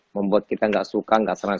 membuat kita tidak suka tidak serang